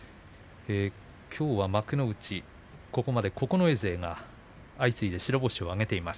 きょうは幕内九重勢が相次いで白星を挙げています。